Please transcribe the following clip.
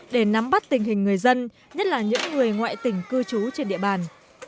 để nắm bắt tình hình người dân nhất là những người ngoại tỉnh cư trú trên địa bàn